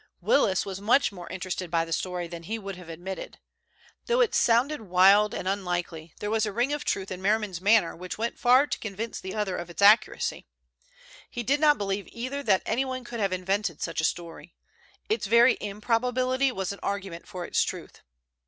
Willis was much more impressed by the story than he would have admitted. Though it sounded wild and unlikely, then was a ring of truth in Merriman's manner which went far to convince the other of its accuracy. He did not believe either that anyone could have invented such a story. It's very improbability was an argument for its truth.